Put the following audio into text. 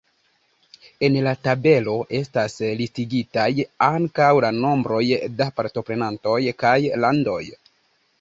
En la tabelo estas listigitaj ankaŭ la nombroj da partoprenantoj kaj landoj.